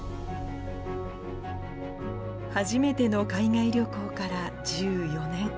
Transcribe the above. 初めての海外旅行から１４年。